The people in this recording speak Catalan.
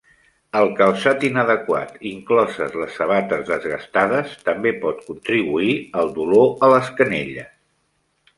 El calçat inadequat, incloses les sabates desgastades, també pot contribuir al dolor a les canelles.